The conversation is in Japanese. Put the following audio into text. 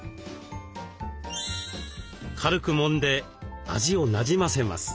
軽くもんで味をなじませます。